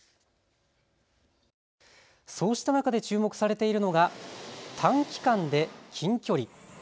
そうした中で注目されているのが短期間で近距離。